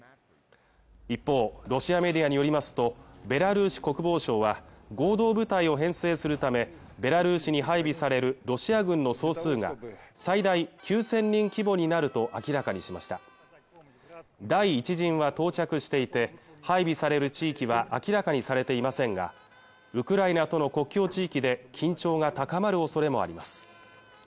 一方ロシアメディアによりますとベラルーシ国防省は合同部隊を編制するためベラルーシに配備されるロシア軍の総数が最大９０００人規模になると明らかにしました第１陣が到着していて配備される地域は明らかにされていませんがウクライナとの国境地域で緊張が高まるおそれもあります